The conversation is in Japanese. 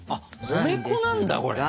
米粉なんだこれ。